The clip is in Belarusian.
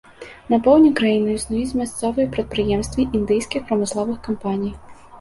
На поўдні краіны існуюць мясцовыя прадпрыемствы індыйскіх прамысловых кампаній.